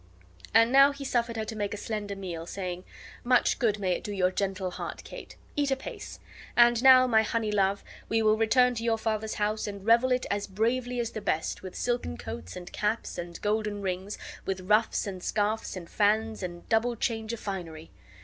And now he suffered her to make a slender meal, saying: "Much good may it do your gentle heart, Kate. Eat apace! And now, my honey love, we will return to your father's house and revel it as bravely as the best, with silken coats and caps and golden rings, with ruffs and scarfs and fans and double change of finery."